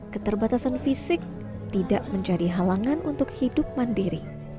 keterbatasan fisik tidak menjadi halangan untuk hidup mandiri